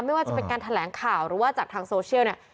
ไม่ว่าจะเป็นการแถลงข่าวหรือว่าจากทางโซเชียลเนี่ย